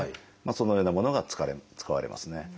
そのようなものが使われますね。